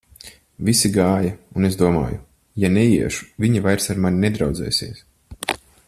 Visi gāja, un es domāju: ja neiešu, viņi vairs ar mani nedraudzēsies.